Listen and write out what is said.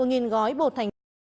một gói bột thành